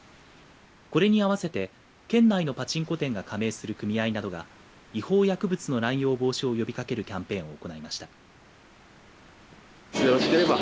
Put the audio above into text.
これに合わせて県内のパチンコ店が加盟する組合などが違法薬物の乱用防止を呼びかけるキャンペーンを行いました。